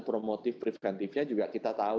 promotif preventifnya juga kita tahu